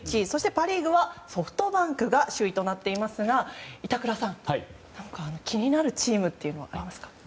そしてパ・リーグはソフトバンクが首位となっていますが板倉さん、気になるチームというのはありますか？